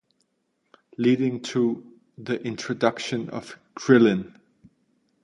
Leading to the introduction of Krillin.